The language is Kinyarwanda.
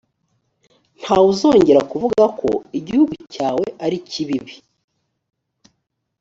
nta wuzongera kuvuga ko igihugu cyawe ari kibibi.